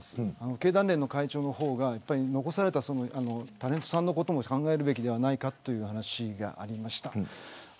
経団連の会長が残されたタレントさんのことも考えるべきではないかという話がありました。